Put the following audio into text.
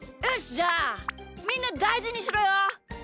じゃあみんなだいじにしろよ。